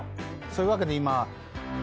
そういうわけで今。